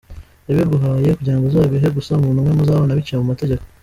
Yabiguhaye kugirango uzabihe gusa umuntu umwe muzabana biciye mu mategeko.